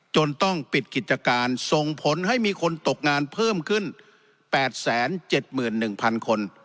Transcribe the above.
จนต้องปิดกิจการส่งผลให้มีคนตกงานเพิ่มขึ้น๘๗๑๐๐๐คน